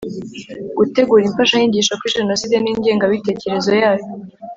Gutegura imfashanyigisho kuri jenoside n ingengabitekerezo yayo